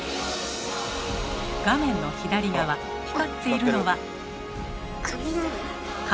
画面の左側光っているのは雷。